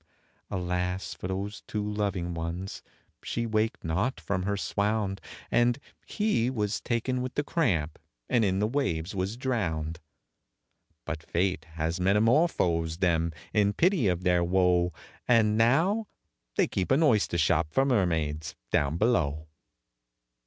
Alas for those two loving ones! she waked not from her swound, And he was taken with the cramp, and in the waves was drowned; But Fate has metamorphosed them, in pity of their woe, And now they keep an oyster shop for mermaids down below.